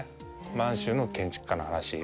満州の建築家の話。